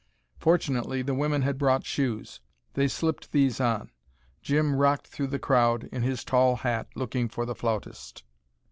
Fortunately the women had brought shoes. They slipped these on. Jim rocked through the crowd, in his tall hat, looking for the flautist.